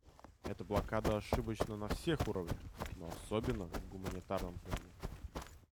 Эта блокада ошибочна на всех уровнях, но особенно в гуманитарном плане.